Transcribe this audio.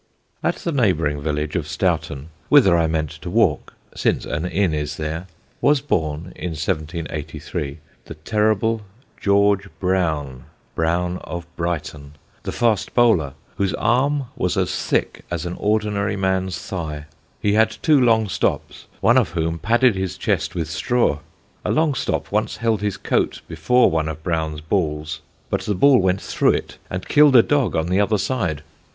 At the neighbouring village of Stoughton, whither I meant to walk (since an inn is there) was born, in 1783, the terrible George Brown Brown of Brighton the fast bowler, whose arm was as thick as an ordinary man's thigh. He had two long stops, one of whom padded his chest with straw. A long stop once held his coat before one of Brown's balls, but the ball went through it and killed a dog on the other side.